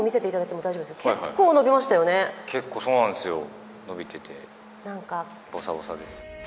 結構そうなんですよ、伸びてて、ボサボサです。